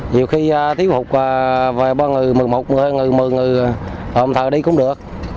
nhiều khi thiếu hụt về ba người một mươi một người một mươi người một mươi người thờ đi cũng được